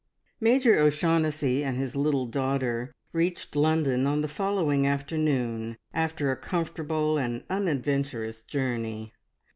Major O'Shaughnessy and his little daughter reached London on the following afternoon, after a comfortable and unadventurous journey.